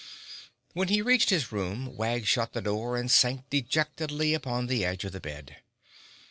When he reached his room, Wag shut the door and sank dejectedly upon the edge of the bed.